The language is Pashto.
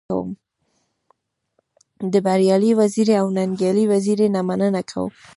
د بريالي وزيري او ننګيالي وزيري نه مننه کوم.